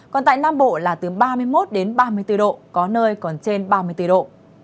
còn tại nam bộ là từ ba mươi một đến ba mươi bốn độ có nơi còn trên ba mươi bốn độ